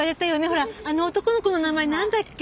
ほらあの男の子の名前なんだっけ？